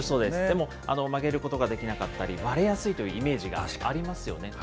でも、曲げることができなかったり、割れやすいというイメージがありますよね。